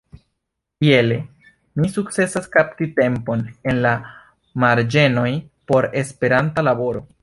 Iele mi sukcesas kapti tempon en la marĝenoj por Esperanta laboro.